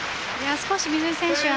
少し水井選手